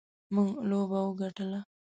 موږ لوبه وګټله.